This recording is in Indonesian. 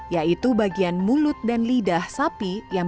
yaitu bagian mulut dan lidah sapi yang biasa dikonsumsi